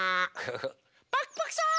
パクパクさん！